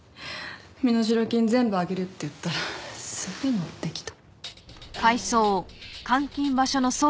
身代金全部あげるって言ったらすぐのってきた。